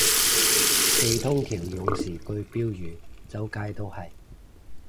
四通橋勇士句標語周街都係